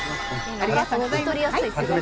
ありがとうございます。